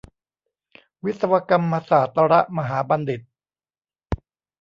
วิศวกรรมศาสตรมหาบัณฑิต